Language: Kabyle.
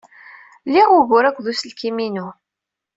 Liɣ ugur akked uselkim-inu.